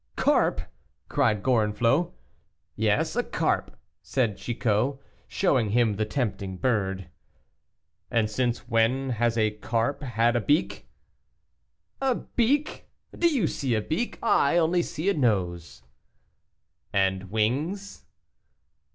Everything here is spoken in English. "Carp!" cried Gorenflot. "Yes, a carp," said Chicot, showing him the tempting bird. "And since when has a carp had a beak?" "A beak! do you see a beak? I only see a nose." "And wings?"